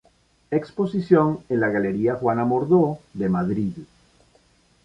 Exposición en la Galería Juana Mordo de Madrid.